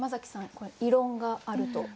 これ異論があると？